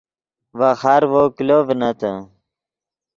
ڤے خارڤو کلو ڤنتے